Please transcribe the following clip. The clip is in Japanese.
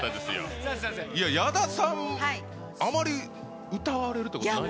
矢田さん、あまり歌われることないですか。